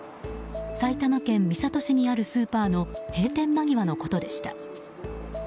埼玉県三郷市にあるスーパーの閉店間際のことでした。